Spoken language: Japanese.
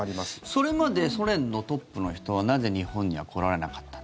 それまでソ連のトップの人はなぜ日本には来られなかった？